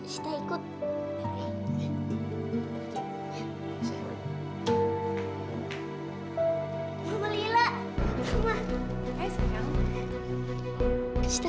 sita kangen ma